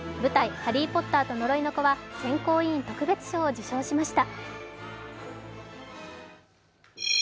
「ハリー・ポッターと呪いの子」は選考委員特別賞を受賞しました。